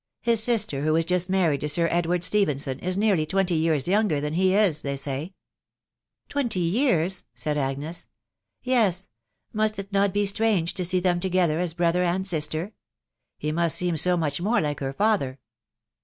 ... His sister, <who ls^Just married to Sir Edwaid Ste phenson, is nearly twenty years younger Ahan he is, they say*' " Twenty years p^isaM Agnes. — "Yes. ... "Mustit noffee strange >to rsee 4bem <tqgether as brother and sister? ... .he must seem so^machnaore like her father."'